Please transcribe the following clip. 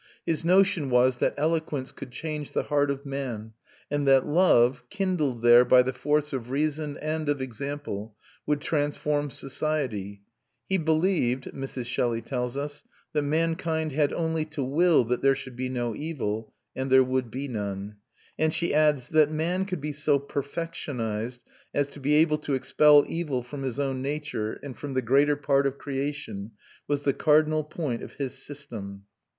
His notion was that eloquence could change the heart of man, and that love, kindled there by the force of reason and of example, would transform society. He believed, Mrs. Shelley tells us, "that mankind had only to will that there should be no evil, and there would be none." And she adds: "That man could be so perfectionised as to be able to expel evil from his own nature, and from the greater part of creation, was the cardinal point of his system."